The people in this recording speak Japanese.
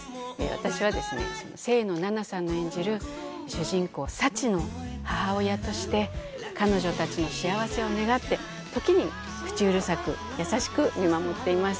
私は清野菜名さん演じる主人公・サチの母親として、彼女たちの幸せを願い、時に口うるさく優しく見守っています。